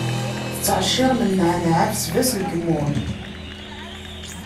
Tettɛecciṛem nneɛneɛ, abesbas, lkemmun.